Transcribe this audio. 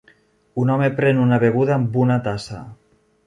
Un home pren una beguda amb una tassa.